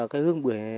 cái hương bưởi